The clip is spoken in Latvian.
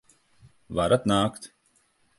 Varat nākt!